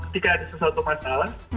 jika ada sesuatu masalah